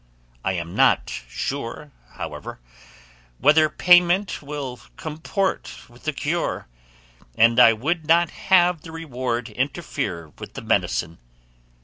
I am not sure, however, whether payment will comport with the cure, and I would not have the reward interfere with the medicine.